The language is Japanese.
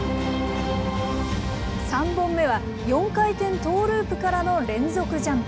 ３本目は４回転トーループからの連続ジャンプ。